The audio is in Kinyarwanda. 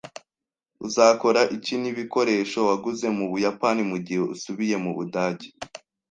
Uzakora iki nibikoresho waguze mubuyapani mugihe usubiye mubudage?